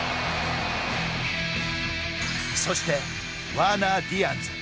そして、ワーナー・ディアンズ。